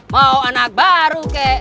mau anak baru kek